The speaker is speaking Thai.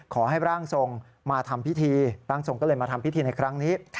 ขอให้ร่างทรงมาทำพิธีร่างทรงก็เลยมาทำพิธีในครั้งนี้